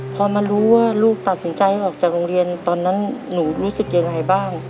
พอมารู้ว่าลูกตัดสินใจออกจากโรงเรียนตอนนั้นหนูรู้สึกยังไงบ้าง